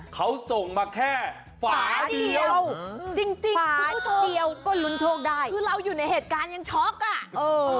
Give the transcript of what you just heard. เขาส่งมาแค่ฝาเดียวฝาเดียวก็ลุ้นโชคได้คือเราอยู่ในเหตุการณ์ยังช็อค